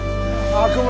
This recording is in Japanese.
悪魔！